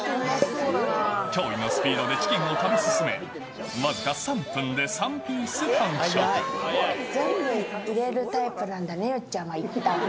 驚異のスピードでチキンを食べ進め、全部入れるタイプなんだね、よっちゃんはいったん。